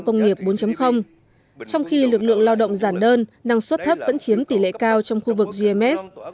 công nghiệp bốn trong khi lực lượng lao động giản đơn năng suất thấp vẫn chiếm tỷ lệ cao trong khu vực gms